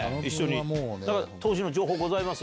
当時の情報ございます？